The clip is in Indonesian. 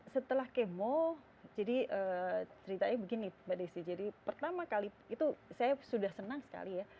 setelah kemo jadi ceritanya begini mbak desi jadi pertama kali itu saya sudah senang sekali ya